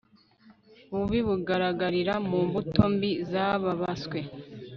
bubi bugaragarira mu mbuto mbi zababaswe